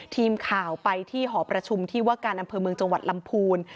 ทีมข่าวไปที่หอประชุมที่ว่าการอำเภอเมืองจังหวัดลำพูน